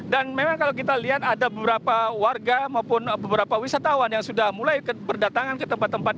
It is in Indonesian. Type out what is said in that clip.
memang kalau kita lihat ada beberapa warga maupun beberapa wisatawan yang sudah mulai berdatangan ke tempat tempat